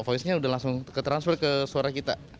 voice nya udah langsung ke transfer ke suara kita